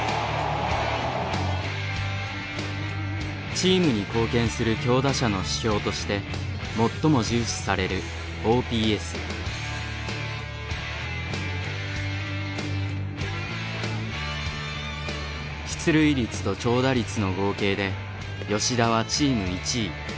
チームに貢献する強打者の指標として最も重視される出塁率と長打率の合計で吉田はチーム１位。